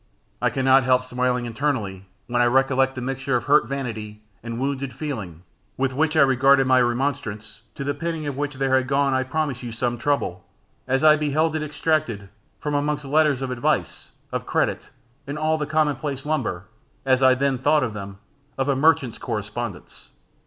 I cannot help smiling internally when I recollect the mixture of hurt vanity, and wounded feeling, with which I regarded my remonstrance, to the penning of which there had gone, I promise you, some trouble, as I beheld it extracted from amongst letters of advice, of credit, and all the commonplace lumber, as I then thought them, of a merchant's correspondence.